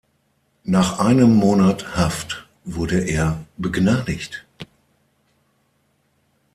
Nach einem Monat Haft wurde er begnadigt.